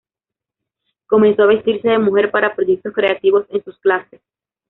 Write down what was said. Comenzó a vestirse de mujer para proyectos creativos en sus clases.